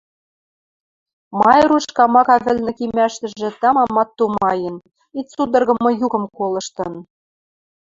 Майруш камака вӹлнӹ кимӓштӹжӹ тамамат тумаен, и цудыргымы юкым колыштын.